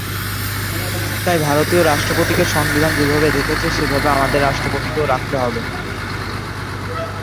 তাই ভারতীয় রাষ্ট্রপতিকে সংবিধান যেভাবে রেখেছে, সেভাবে আমাদের রাষ্ট্রপতিকেও রাখতে হবে।